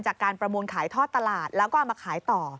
การประมูลขายทอดตลาดแล้วก็เอามาขายต่อ